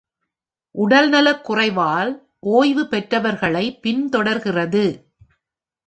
உடல்நலக்குறைவால் ஓய்வு பெற்றவர்களைப் பின்தொடர்கிறது.